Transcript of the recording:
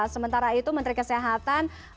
sementara itu menteri kesehatan